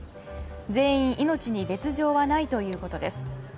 全員命に別条はないということです。